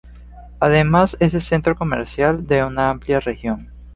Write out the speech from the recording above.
Además es el centro comercial de una amplia región.